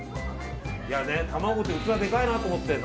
卵って器でかいなと思ってね。